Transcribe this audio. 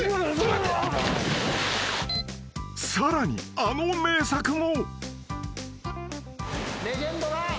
［さらにあの名作も］